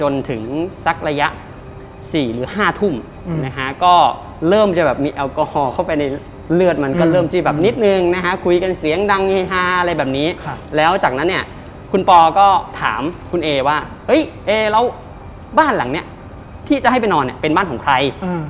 เลือดมันก็เริ่มจีบแบบนิดนึงนะฮะคุยกันเสียงดังเฮฮาอะไรแบบนี้แล้วจากนั้นเนี่ยคุณป๊อก็ถามคุณเอว่าเฮ้ยเอแล้วบ้านหลังเนี่ยที่จะให้ไปนอนเนี่ยเป็นบ้านของใคร